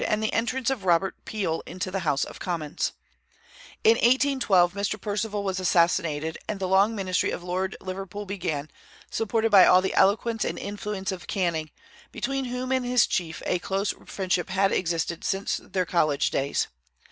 and the entrance of Robert Peel into the House of Commons. In 1812 Mr. Perceval was assassinated, and the long ministry of Lord Liverpool began, supported by all the eloquence and influence of Canning, between whom and his chief a close friendship had existed since their college days.